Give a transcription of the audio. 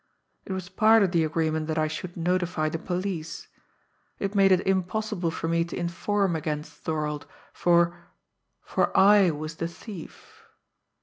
It was part of the agreement that I should notify the police it made it impossible for me to inform against Thorold, for for I was the thief."